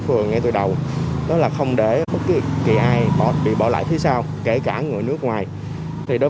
phường ngay từ đầu đó là không để bất kỳ ai bị bỏ lại phía sau kể cả người nước ngoài thì đối